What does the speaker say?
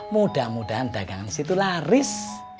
mudah mudahan dagangan di situ laris